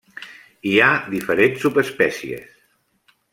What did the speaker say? Hi ha diferents subespècies.